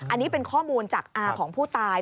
อันนี้เป็นข้อมูลจากอาของผู้ตาย